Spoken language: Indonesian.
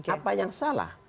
apa yang salah